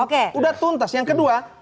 sudah tuntas yang kedua